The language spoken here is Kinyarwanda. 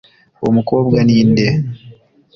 Uwo mukobwa ni nde